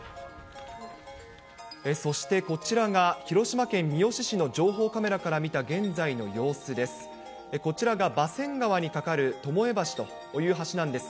そしてこちらが広島県三次市の情報カメラから見た現在の様子です。